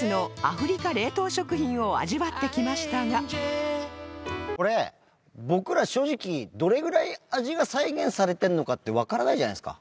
という事でこれ僕ら正直どれぐらい味が再現されてるのかってわからないじゃないですか。